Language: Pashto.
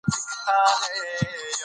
شهید محمد داود خان تر نورو ښوونکی وو.